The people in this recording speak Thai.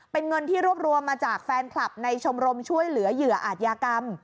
เป็นเงินที่รวบรวมมาจากแฟนคลับในชมรมช่วยเหลือเหยื่ออาจยากรรม